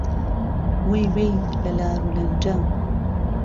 وهی وهی له لار و لهنجه